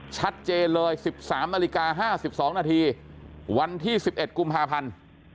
ชัดเจนเลย๑๓น๕๒นวันที่๑๑กุมฮาพันธ์